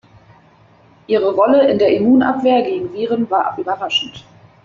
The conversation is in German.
Ihre Rolle in der Immunabwehr gegen Viren war überraschend.